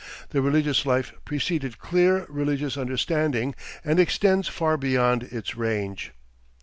The religious life preceded clear religious understanding and extends far beyond its range.